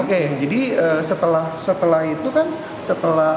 oke jadi setelah itu kan setelah